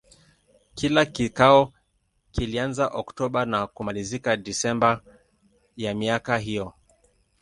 Kila kikao kilianza Oktoba na kumalizika Desemba ya miaka hiyo.